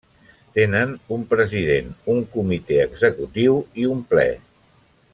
Tenen un president, un comitè executiu i un ple.